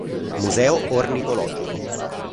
Museo ornitologico